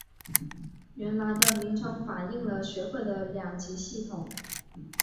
原来的名称反应了学会的两级系统。